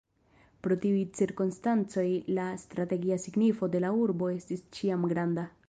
Pro tiuj cirkonstancoj la strategia signifo de la urbo estis ĉiam granda.